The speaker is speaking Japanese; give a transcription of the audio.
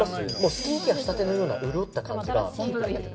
スキンケアしたてのような潤った感じが。